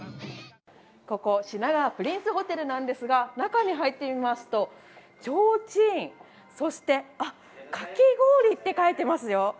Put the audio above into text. ここ、品川プリンスホテルなんですが、中に入ってみますとちょうちん、そしてかき氷って書いてますよ。